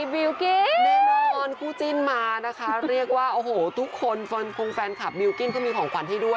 แน่นอนคู่จิ้นมานะคะเรียกว่าโอ้โหทุกคนคงแฟนคลับบิลกิ้นเขามีของขวัญให้ด้วย